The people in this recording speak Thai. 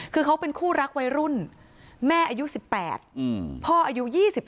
คือเขาเป็นคู่รักวัยรุ่นแม่อายุ๑๘พ่ออายุ๒๓